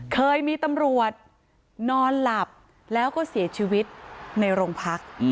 เคยมีตำรวจนอนหลับแล้วก็เสียชีวิตในโรงพัก